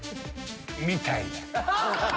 みたいな。